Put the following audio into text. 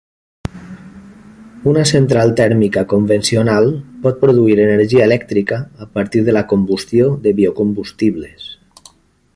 Una central tèrmica convencional pot produir energia elèctrica a partir de la combustió de biocombustibles.